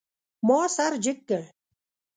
ما سر جګ کړ.